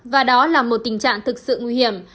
và đó là một tình trạng thực sự nguy hiểm